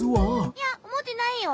いやおもってないよ。